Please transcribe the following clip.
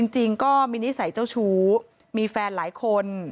จริงก็มีนิสัยเจ้าชู้มีแฟนหลายคน